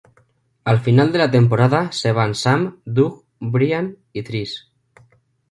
Al final de la temporada se van Sam, Doug, Brian y Trish.